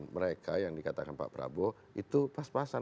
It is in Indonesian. mereka yang dikatakan pak prabowo itu pas pasan